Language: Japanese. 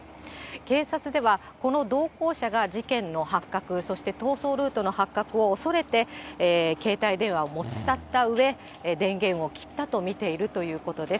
警察では、この同行者が事件の発覚、そして逃走ルートの発覚を恐れて、携帯電話を持ち去ったうえ、電源を切ったと見ているということです。